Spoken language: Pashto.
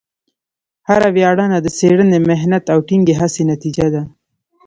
هره ویاړنه د څېړنې، محنت، او ټینګې هڅې نتیجه ده.